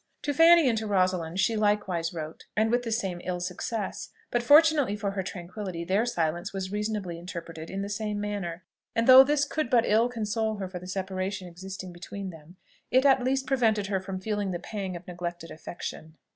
To Fanny and to Rosalind she likewise wrote, and with the same ill success: but, fortunately for her tranquillity, their silence was reasonably interpreted in the same manner; and though this could but ill console her for the separation existing between them, it at least prevented her from feeling the pang of neglected affection.